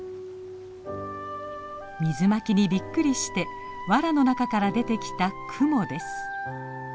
水まきにびっくりしてわらの中から出てきたクモです。